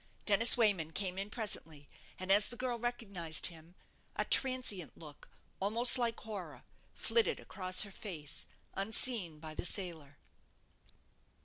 Dennis Wayman came in presently, and as the girl recognized him, a transient look, almost like horror, flitted across her face, unseen by the sailor.